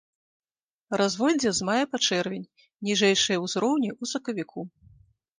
Разводдзе з мая па чэрвень, ніжэйшыя ўзроўні ў сакавіку.